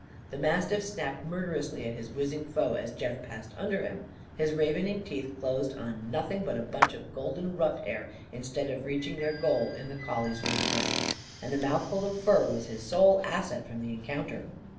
The mastiff snapped murderously at his whizzing foe, as Jeff passed under him. His ravening teeth closed on nothing but a bunch of golden ruff hair instead of reaching their goal in the collie's vertebræ. And the mouthful of fur was his sole asset from the encounter.